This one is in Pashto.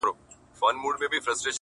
• د پسرلي وريځو به,